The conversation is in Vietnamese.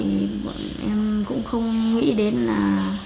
nhưng mà em cũng không nghĩ đến là